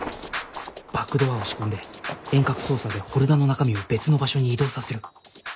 バックドアを仕込んで遠隔操作でフォルダの中身を別の場所に移動させる